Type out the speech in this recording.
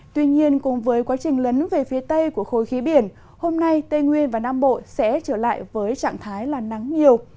tuy nhiên cùng với quá trình lấn về phía tây của khối khí biển hôm nay tây nguyên và nam bộ sẽ trở lại với trạng thái là nắng nhiều